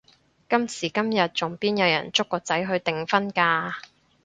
今時今日仲邊有人捉個仔去訂婚㗎？